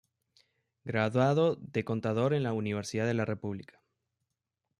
Graduado de contador en la Universidad de la República.